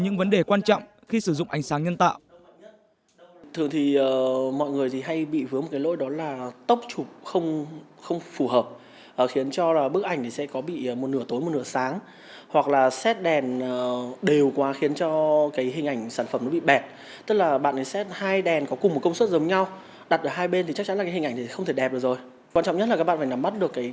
những vấn đề quan trọng khi sử dụng ánh sáng nhân tạo